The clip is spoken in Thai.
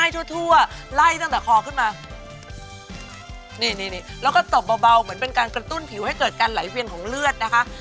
จะตุ้นผิวให้เกิดการไหลเวียนของเลือดนะคะ